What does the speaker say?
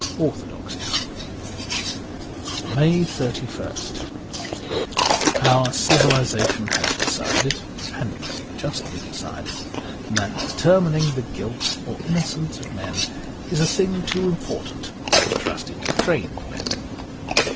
' Orthodoxy.'' 164 MAY 31st OUR civilization has decided, and very justly decided, that determining the guilt or inno cence of men is a thing too important to be trusted to trained men.